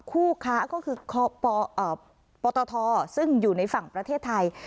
คู่ค้าก็คือปตทซึ่งอยู่ในฝั่งประเทศไทย